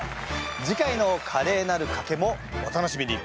次回の「カレーなる賭け」もお楽しみに。